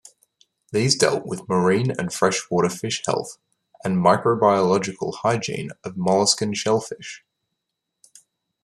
These dealt with marine and freshwater fish health, and microbiological hygiene of molluscan shellfish.